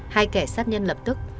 hai kẻ sát nhân lập tức